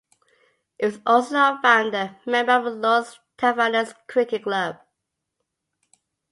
He was also a founder member of the Lord's Taverners Cricket Club.